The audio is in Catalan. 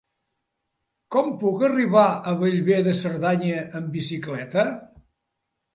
Com puc arribar a Bellver de Cerdanya amb bicicleta?